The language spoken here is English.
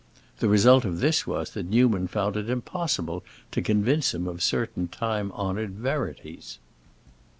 The result of this was that Newman found it impossible to convince him of certain time honored verities.